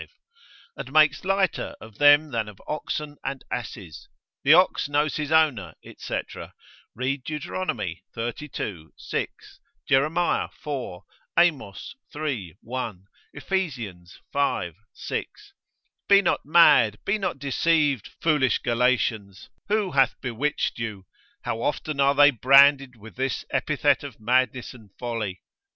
And makes lighter of them than of oxen and asses, the ox knows his owner, &c.: read Deut. xxxii. 6; Jer. iv.; Amos, iii. 1; Ephes. v. 6. Be not mad, be not deceived, foolish Galatians, who hath bewitched you? How often are they branded with this epithet of madness and folly?